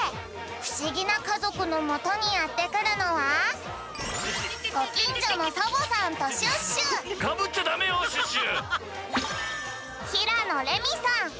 ふしぎなかぞくのもとにやってくるのはかぶっちゃダメよシュッシュ！